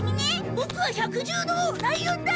ボクは百獣の王ライオンだ！